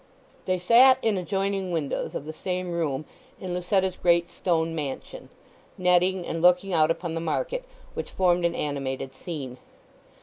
They sat in adjoining windows of the same room in Lucetta's great stone mansion, netting, and looking out upon the market, which formed an animated scene.